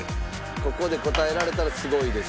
ここで答えられたらすごいです。